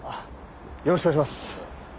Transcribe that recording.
よろしくお願いします。